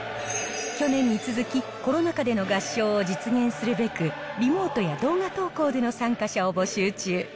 去年に続き、コロナ禍での合唱を実現するべく、リモートや動画投稿での参加者を募集中。